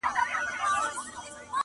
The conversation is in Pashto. سږ کال مي ولیده لوېدلې وه له زوره ونه؛